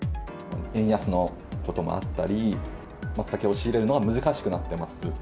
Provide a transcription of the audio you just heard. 円安のこともあったり、まつたけを仕入れるのが難しくなっています。